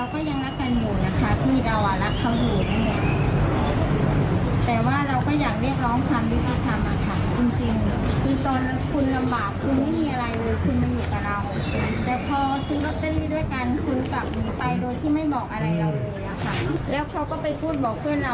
ไม่มีอะไรเลยคุณมันอยู่กับเรา